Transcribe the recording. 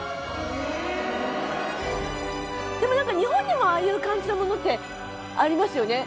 でも何か日本にもああいう感じのものってありますよね。